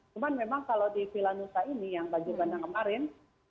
cuman memang kalau di vilanusa ini yang banjir bandang kemarin